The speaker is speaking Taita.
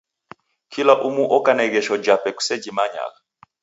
Kila umu oka na ighesho jape kusejimanyagha.